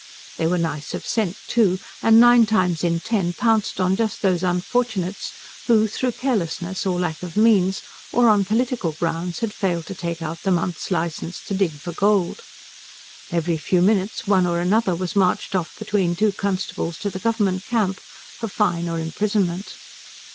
They were nice of scent, too, and, nine times in ten, pounced on just those unfortunates who, through carelessness, or lack of means, or on political grounds, had failed to take out the month's licence to dig for gold. Every few minutes one or another was marched off between two constables to the Government Camp, for fine or imprisonment.